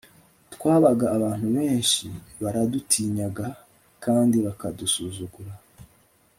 twabaga abantu benshi baradutinyaga kandi bakadusuzugura